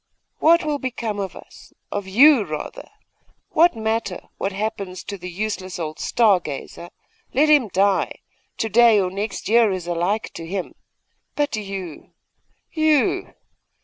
'What will become of us, of you, rather? What matter what happens to the useless old star gazer? Let him die! To day or next year is alike to him. But you, you!